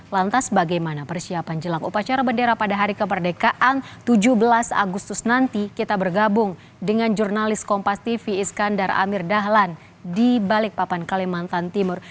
lantas bagaimana persiapan jelang upacara bendera pada hari kemerdekaan tujuh belas agustus nanti kita bergabung dengan jurnalis kompas tv iskandar amir dahlan di balikpapan kalimantan timur